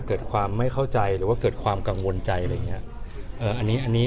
เกิดความไม่เข้าใจหรือว่าเกิดความกังวลใจอะไรอย่างนี้